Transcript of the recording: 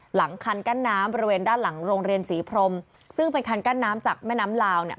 หลังคันกั้นน้ำบริเวณด้านหลังโรงเรียนศรีพรมซึ่งเป็นคันกั้นน้ำจากแม่น้ำลาวเนี่ย